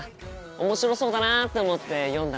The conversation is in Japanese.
面白そうだなって思って読んだ